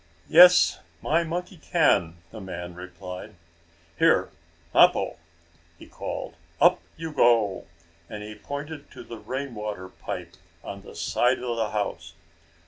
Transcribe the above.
"Yes, my monkey can," the man replied. "Here, Mappo!" he called. "Up you go!" and he pointed to the rain water pipe on the side of the house.